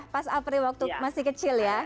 pas apri masih kecil ya